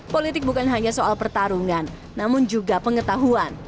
politik bukan hanya soal pertarungan namun juga pengetahuan